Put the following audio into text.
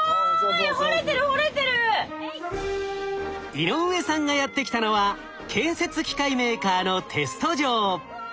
井上さんがやって来たのは建設機械メーカーのテスト場。